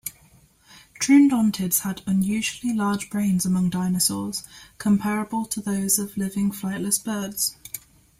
Troodontids had unusually large brains among dinosaurs, comparable to those of living flightless birds.